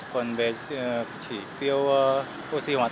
còn về chỉ tiêu oxy hoạt động